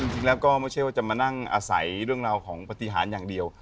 จริงแล้วก็ไม่ใช่ว่าจะมานั่งอาศัยเรื่องราวของปฏิหารอย่างเดียว